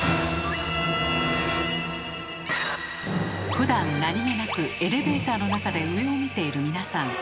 ふだん何気なくエレベーターの中で上を見ている皆さん。